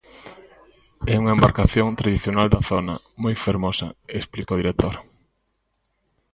É unha embarcación tradicional da zona, moi fermosa, explica o director.